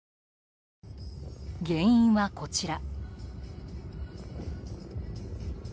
原因はこちら。